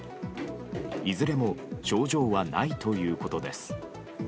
いずれも症状はないということです。